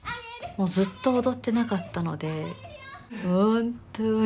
もうずっと踊ってなかったので本当に大変です。